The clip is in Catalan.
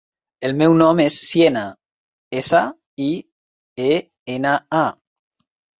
El meu nom és Siena: essa, i, e, ena, a.